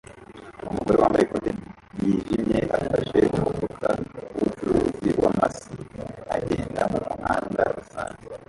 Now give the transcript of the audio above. Umugore wambaye ikote ryijimye afashe umufuka wubucuruzi wa Macy agenda mumuhanda rusange